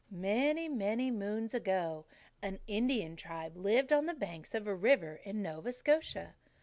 "Many, many moons ago, an Indian tribe lived on the banks of a river in Nova Scotia.